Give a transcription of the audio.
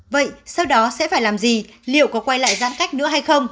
vậy sau đó sẽ phải làm gì liệu có quay lại giãn cách nữa hay không